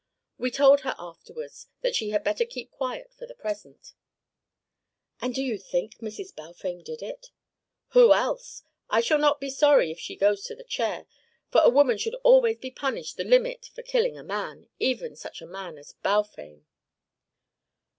We told her afterwards that she had better keep quiet for the present." "And you think Mrs. Balfame did it?" "Who else? I shall not be so sorry if she goes to the chair, for a woman should always be punished the limit for killing a man, even such a man as Balfame."